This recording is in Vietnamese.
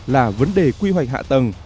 là vấn đề quy hoạch hạ tầng